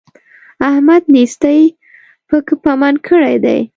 احمد نېستۍ پک پمن کړی دی.